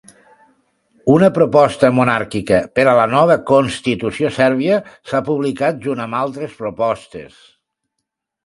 Una proposta monàrquica per a la nova constitució sèrbia s"ha publicat junt amb altres propostes.